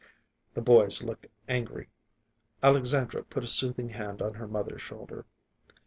The boys looked angry. Alexandra put a soothing hand on her mother's shoulder.